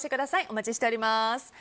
お待ちしております。